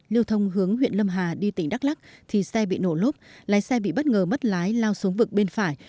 lưu thông hướng huyện lâm hà đi tỉnh đắk lắc thì xe bị nổ lốp lái xe bị bất ngờ mất lái lao xuống vực bên phải